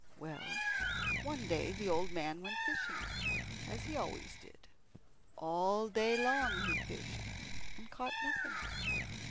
Well, one day the old man went fishing, as he always did. All day long he fished, and caught nothing.